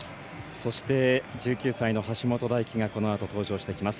そして、１９歳の橋本大輝がこのあと登場してきます。